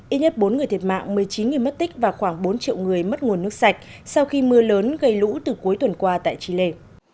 ít nhất bốn người thiệt mạng một mươi chín người mất tích và khoảng bốn triệu người mất nguồn nước sạch sau khi mưa lớn gây lũ từ cuối tuần qua tại chile